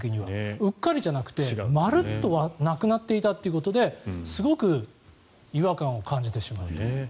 うっかりじゃなくてまるっとなくなっていたということですごく違和感を感じてしまうと。